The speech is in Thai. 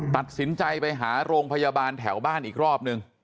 ตัดสินใจไปหาโรงพยาบาลแถวบ้านอีกรอบนึง